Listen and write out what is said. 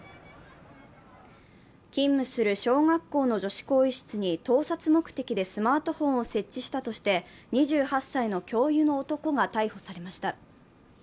勤務する小学校の女子更衣室に、盗撮目的でスマートフォンを設置したとして２８歳の教諭の男が逮捕されました。